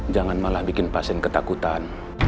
jangan malah bikin pasien ketakutan